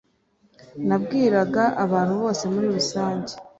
nabwiraga abantu bose muri rusange"